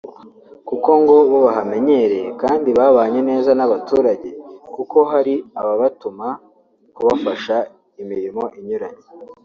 kuko bo ngo bahamenyereye kandi babanye neza n’abaturage kuko hari ababatuma kubafasha imirimo inyuranye